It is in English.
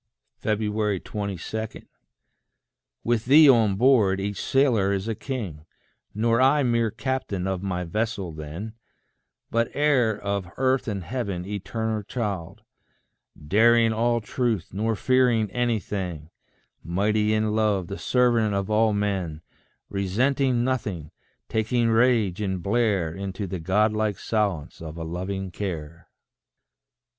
22. With thee on board, each sailor is a king Nor I mere captain of my vessel then, But heir of earth and heaven, eternal child; Daring all truth, nor fearing anything; Mighty in love, the servant of all men; Resenting nothing, taking rage and blare Into the Godlike silence of a loving care.